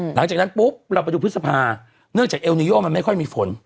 หลังจากนั้นปุ๊บเราไปดูพฤษภาเนื่องจากเอลนิโยมันไม่ค่อยมีฝน